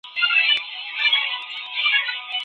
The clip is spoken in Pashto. ماشوم د انا سترگو ته گوري.